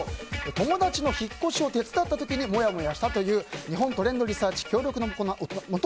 友達の引っ越しを手伝った時にモヤモヤしたという日本トレンドリサーチの協力のもと